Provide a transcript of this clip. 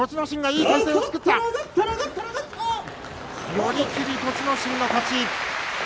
寄り切り、栃ノ心の勝ち。